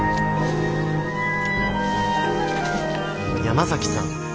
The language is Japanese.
山崎さん。